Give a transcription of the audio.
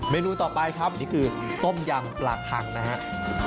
นูต่อไปครับนี่คือต้มยำปลาคังนะครับ